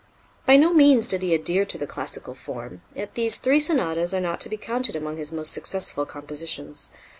By no means did he adhere to the classical form; yet these three sonatas are not to be counted among his most successful compositions.